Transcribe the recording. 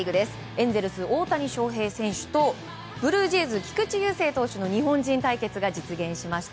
エンゼルス大谷翔平選手とブルージェイズ菊池雄星投手の日本人対決が実現しました。